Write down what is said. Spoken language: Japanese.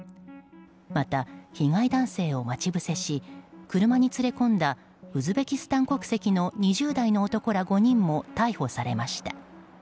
また、被害男性を待ち伏せし車に連れ込んだウズベキスタン国籍の２０代の男ら５人も逮捕されました。